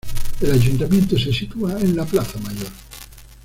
El Ayuntamiento se sitúa en la Plaza Mayor.